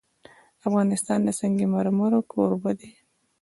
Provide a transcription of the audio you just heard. افغانستان د سنگ مرمر کوربه دی.